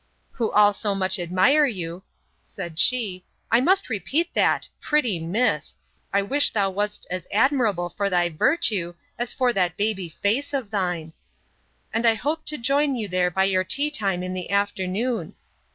]—Who all so much admire you, [said she,] 'I must repeat that—Pretty miss!—I wish thou wast as admirable for thy virtue, as for that baby face of thine!'—And I hope to join you there by your tea time in the afternoon!